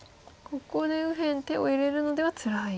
ここで右辺手を入れるのではつらい。